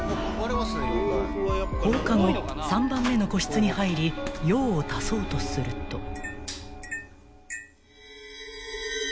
［放課後３番目の個室に入り用を足そうとすると］